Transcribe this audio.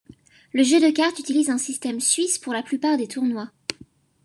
Le jeu de cartes utilise un système suisse pour la plupart des tournois.